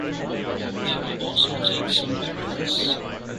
They will also take some berries.